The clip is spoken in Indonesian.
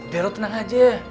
dero tenang aja